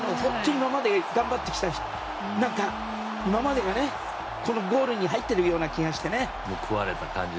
今まで頑張ってきた中その今までがこのゴールに入っている気がしてね。